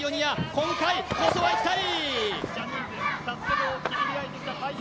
今回こそはいきたい！